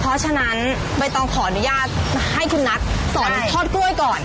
เพราะฉะนั้นใบตองขออนุญาตให้คุณนัทสอนทอดกล้วยก่อน